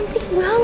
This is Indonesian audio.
sampai jumpa lagi